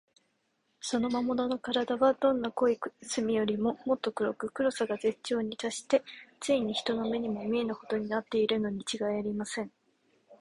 その魔物のからだは、どんな濃い墨よりも、もっと黒く、黒さが絶頂にたっして、ついに人の目にも見えぬほどになっているのにちがいありません。